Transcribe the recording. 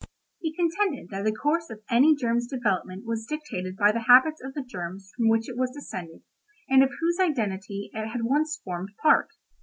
He contended that the course of any germ's development was dictated by the habits of the germs from which it was descended and of whose identity it had once formed part.